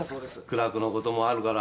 苦楽のこともあるから。